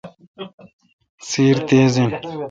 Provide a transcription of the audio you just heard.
سیر تیز این۔